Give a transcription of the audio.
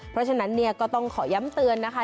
เพราะฉะนั้นเนี่ยก็ต้องขอย้ำเตือนนะคะ